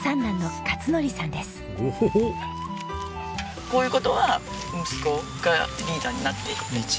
こちらはこういう事は息子がリーダーになって。